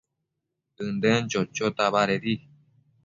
ënden chochota badedi